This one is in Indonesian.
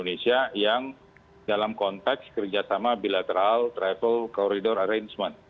indonesia yang dalam konteks kerjasama bilateral travel corridor arrangement